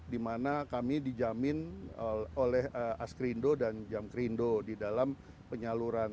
di mana kami dijamin oleh askrindo dan jamkrindo di dalam penyaluran